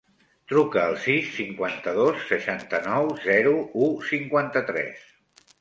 Truca al sis, cinquanta-dos, seixanta-nou, zero, u, cinquanta-tres.